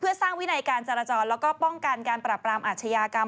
เพื่อสร้างวินัยการจราจรแล้วก็ป้องกันการปรับรามอาชญากรรม